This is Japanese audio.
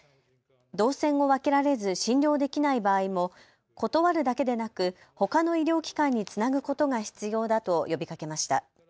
動線を分けられず診療できない場合も断るだけでなくほかの医療機関につなぐことが必要だと呼びかけました。